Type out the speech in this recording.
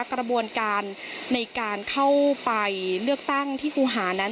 กระบวนการในการเข้าไปเลือกตั้งที่ครูหานั้น